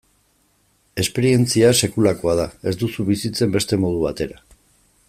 Esperientzia sekulakoa da, ez duzu bizitzen beste modu batera.